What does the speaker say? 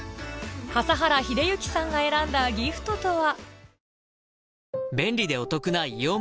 笠原秀幸さんが選んだギフトとは？